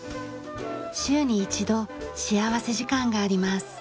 週に一度幸福時間があります。